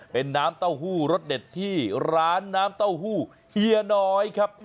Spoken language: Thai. เป็นน้ำเต้าหู้รสเด็ดที่ร้านน้ำเต้าหู้เฮียน้อยครับ